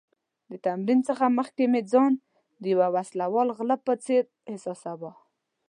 د تمرین څخه مخکې مې ځان د یو وسله وال غله په څېر احساساوه.